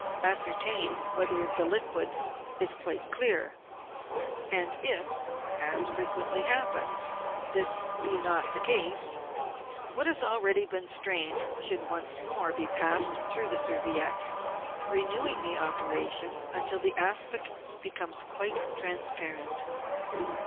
Ascertain whether the liquid is quite clear, and if, as frequently happens, this be not the case, what has already been strained should once more be passed through the serviette, renewing the operation until the aspic becomes quite transparent.